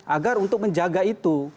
agar untuk menjaga itu